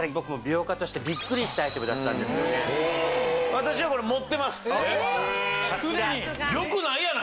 私はこれ持ってます！